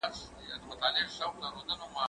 زه به اوږده موده موسيقي اورېدلې وم؟!